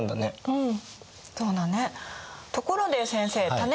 うん。